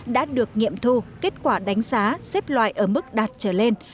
đã được nghiệm thu kết quả đánh giá xếp loại ở mức đạt trở lên